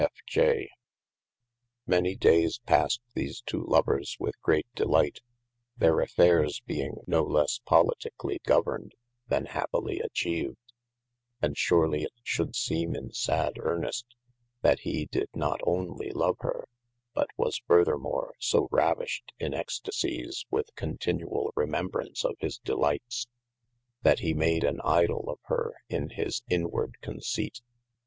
F. J. MAny dayes passed these two lovers with great delight, their afrayres being no lesse politiquely governed, then happilye atchived. And surelye it should seeme in sadde earnest, that hee did not onely love hir, but was furthermore so ravished in extasies with continuall remembraunce of his delights, that he made an Idoll of hir in his inwarde conceyte.